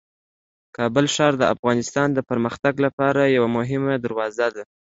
کابل ښار د افغانستان د پرمختګ لپاره یوه مهمه دروازه ده.